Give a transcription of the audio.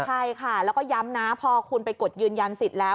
ใช่ค่ะแล้วก็ย้ำนะพอคุณไปกดยืนยันสิทธิ์แล้ว